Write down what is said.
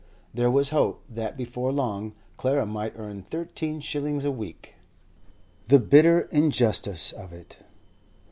There was hope that before long Clara might earn thirteen shillings a week. The bitter injustice of it!